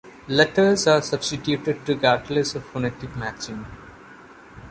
Letters are substituted regardless of phonetic matching.